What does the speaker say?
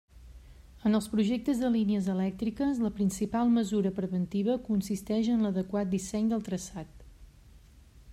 En els projectes de línies elèctriques, la principal mesura preventiva consisteix en l'adequat disseny del traçat.